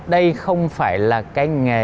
đây không phải là cái nghề